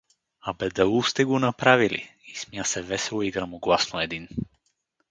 — А бе даул сте го направили? — изсмя се весело и гръмогласно един.